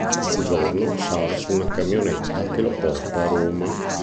Un giorno sale su una camionetta che lo porta a Roma.